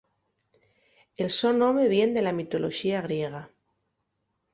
El so nome vien de la mitoloxía griega.